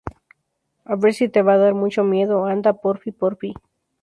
a ver si te va a dar mucho miedo. anda, porfi, porfi.